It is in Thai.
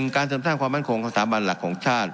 การเสริมสร้างความมั่นคงของสถาบันหลักของชาติ